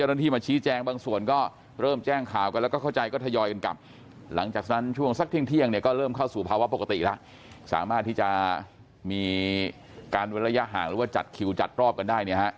อย่างที่จะมีการระยะห่างหรือว่าจัดคิวจัดรอบกันได้